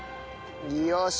よし！